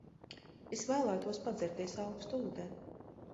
Es vēlētos padzerties aukstu ūdeni.